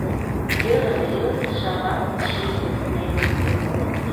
Йырым-йыр шават ший семым.